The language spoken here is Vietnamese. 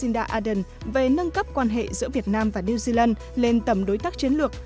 nda ardern về nâng cấp quan hệ giữa việt nam và new zealand lên tầm đối tác chiến lược